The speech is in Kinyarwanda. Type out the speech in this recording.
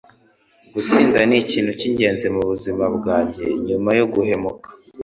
Gutsinda nikintu cyingenzi mubuzima bwanjye, nyuma yo guhumeka.